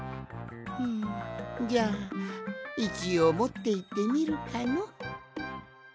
んじゃあいちおうもっていってみるかの。